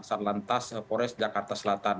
sat lantas pores jakarta selatan